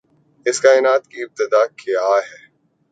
اس کائنات کی ابتدا کیا ہے؟